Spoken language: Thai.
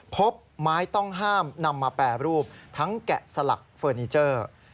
พบไม้ต้องห้ามนำมาแปรรูปทั้งแกะสลักเฟอร์นิเจอร์